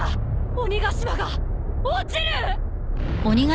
鬼ヶ島が落ちる！